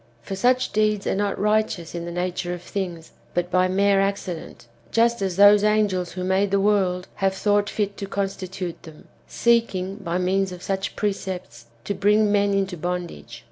For such deeds are not righteous in the nature of things, but by mere accident, just as those angels who made the world, have thought fit to constitute them, seeking, by means of such precepts, to bring men into bondage.